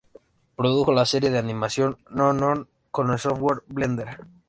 Produjo la serie de animación Non-Non, con el software Blender.